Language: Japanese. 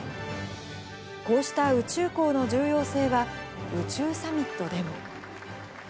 こうした宇宙港の重要性は、宇宙サミットでも。